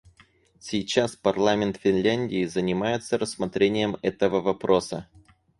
Сейчас парламент Финляндии занимается рассмотрением этого вопроса.